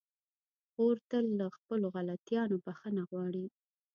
خور تل له خپلو غلطيانو بخښنه غواړي.